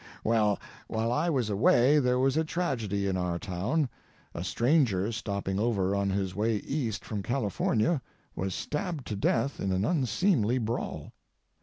Well, while I was away there was a tragedy in our town. A stranger, stopping over on his way East from California; was stabbed to death in an unseemly brawl.